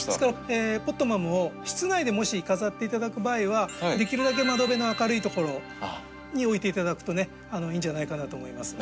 ポットマムを室内でもし飾って頂く場合はできるだけ窓辺の明るいところに置いて頂くとねいいんじゃないかなと思います。